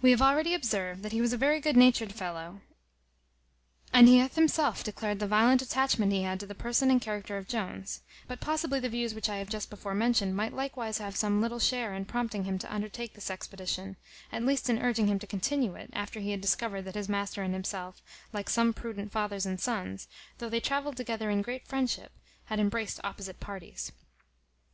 We have already observed, that he was a very good natured fellow, and he hath himself declared the violent attachment he had to the person and character of Jones; but possibly the views which I have just before mentioned, might likewise have some little share in prompting him to undertake this expedition, at least in urging him to continue it, after he had discovered that his master and himself, like some prudent fathers and sons, though they travelled together in great friendship, had embraced opposite parties.